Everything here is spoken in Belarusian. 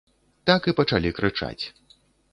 Так і пачалі крычаць.